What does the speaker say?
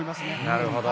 なるほど。